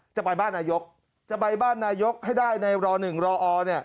จะไปบ้านนายกจะไปบ้านนายกให้ได้ในร๑รอเนี่ย